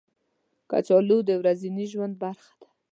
کچالو د ورځني ژوند برخه ده